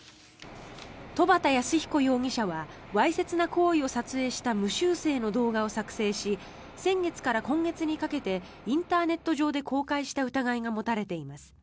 戸畑康彦容疑者はわいせつな行為を撮影した無修正の動画を作成し先月から今月にかけてインターネット上で公開した疑いが持たれています。